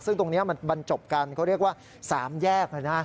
ซึ่งตรงนี้มันบรรจบกันเขาเรียกว่า๓แยกเลยนะ